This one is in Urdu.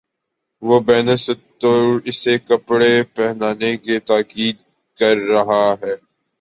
وہ بین السطور اسے کپڑے پہنانے کی تاکید کر رہا ہے۔